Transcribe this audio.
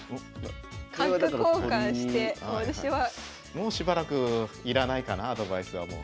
もうしばらくいらないかなアドバイスはもう。